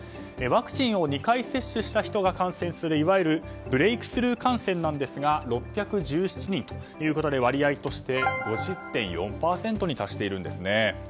ワクチンを２回接種した人が感染するいわゆるブレークスルー感染ですが６１７人ということで割合として５０．４％に達しているんです。